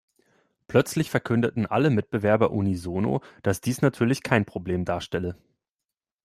Plötzlich verkündeten alle Mitbewerber unisono, dass dies natürlich kein Problem darstelle.